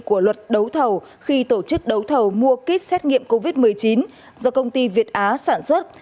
của luật đấu thầu khi tổ chức đấu thầu mua kích xét nghiệm covid một mươi chín do công ty việt á sản xuất